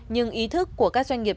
nhưng ý thức của các doanh nghiệp